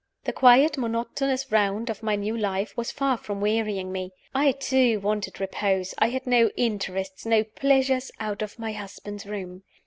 The quiet, monotonous round of my new life was far from wearying me. I, too, wanted repose I had no interests, no pleasures, out of my husband's room.